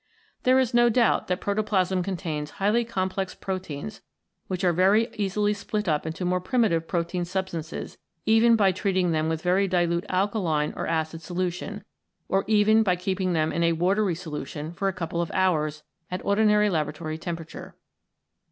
There is no doubt that proto plasm contains highly complex proteins which are very easily split up into more primitive protein substances, even by treating them with very dilute alkaline or acid solution, or even by keeping them in a watery solution for a couple of hours at ordinary laboratory temperature.